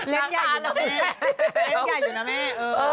เล้นใหญ่อยู่นะแม่